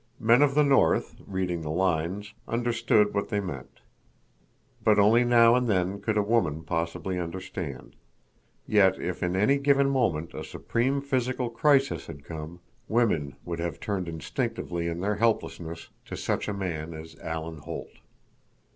Men of the north, reading the lines, understood what they meant. But only now and then could a woman possibly understand. Yet if in any given moment a supreme physical crisis had come, women would have turned instinctively in their helplessness to such a man as Alan Holt.